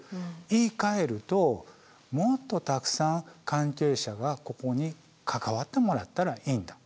言いかえるともっとたくさん関係者がここに関わってもらったらいいんだ。